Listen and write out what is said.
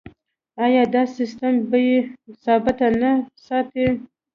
آیا دا سیستم بیې ثابت نه ساتي؟